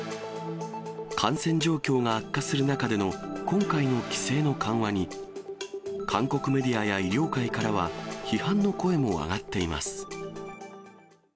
感染状況が悪化する中での今回の規制の緩和に、韓国メディアや医療界からは、批判の声も上がっています。